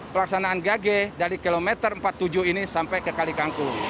pelaksanaan gage dari kilometer empat puluh tujuh ini sampai ke kali kangkung